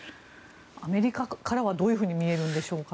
アメリカからはどう見えるんでしょうか？